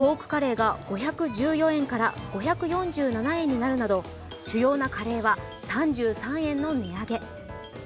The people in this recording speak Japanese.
例えばポークカレーが５１４円から５４７円になるなど主要なカレーは３３円の値上げ。